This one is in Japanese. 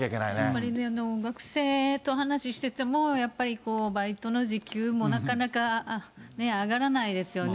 これね、学生と話をしてても、やっぱり、バイトの時給もなかなか上がらないですよね。